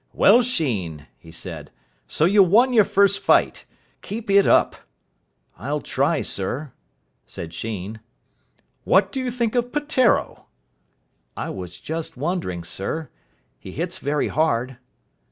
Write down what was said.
"Well, Sheen," he said, "so you won your first fight. Keep it up." "I'll try, sir," said Sheen. "What do you think of Peteiro?" "I was just wondering, sir. He hits very hard."